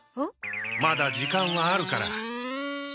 まだ時間はあるから。